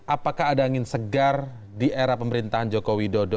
apakah ada angin segar di era pemerintahan joko widodo